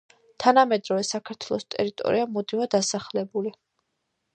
თანამედროვე საქართველოს ტერიტორია მუდმივად დასახლებული